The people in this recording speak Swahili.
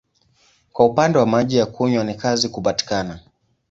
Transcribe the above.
Kwa upande wa maji ya kunywa ni kazi kupatikana.